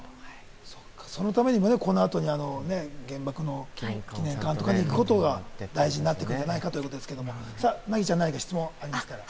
そのためにも、この後に原爆の記念館とかに行くことが大事になってくるんじゃないかということですけれども、凪ちゃん、何か質問は？